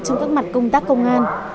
trong các mặt công tác công an